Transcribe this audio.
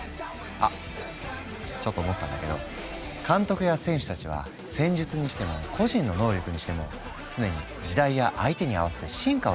あちょっと思ったんだけど監督や選手たちは戦術にしても個人の能力にしても常に時代や相手に合わせて進化を続けているよね。